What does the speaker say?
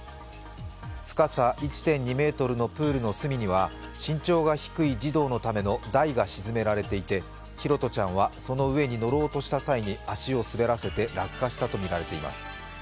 深さ１．２ｍのプールの隅には身長が低い児童のための台が沈められていて、拓杜ちゃんはその上に乗ろうとした際に足をすべらせて落下したとみられています。